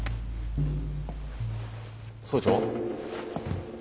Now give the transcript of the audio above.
総長？